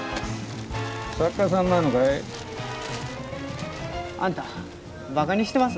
作家さんなのかい？あんたバカにしてます？